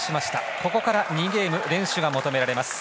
ここから２ゲーム連取が求められます。